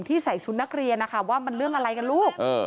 ใส่ชุดนักเรียนนะคะว่ามันเรื่องอะไรกันลูก